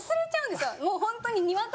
もうホントに。